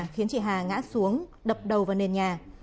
khiến chị hà ngã xuống đập đầu vào nền nhà